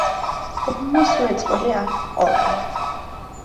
ულმოს მეწყვილე არ ჰყოლია.